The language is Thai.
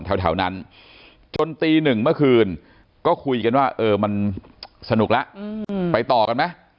แถวนั้นจนตีหนึ่งเมื่อคืนก็คุยกันว่าเออมันสนุกแล้วไปต่อกันไหม